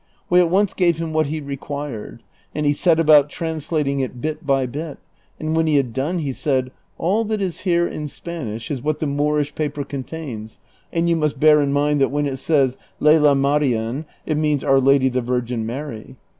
We at once gave him what he required, and he set aljout translating it bit by bit, and when he had done he said, "All that is here in Spanish is what tiie JMoorish paper contains, and you must bear in mind that when it says, ' Lela Marien ' it means Our Lady the Virgin Mary.'